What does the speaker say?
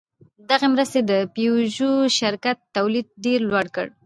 دغې مرستې د پيژو شرکت تولید ډېر لوړ کړ.